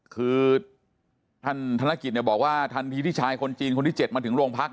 คือท่านธนกิจบอกว่าทันทีที่ชายคนจีนคนที่๗มาถึงโรงพัก